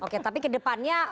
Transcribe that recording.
oke tapi kedepannya